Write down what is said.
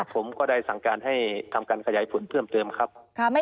ผมก็ได้สั่งการให้ทำการขยายผลเพิ่มเติมครับ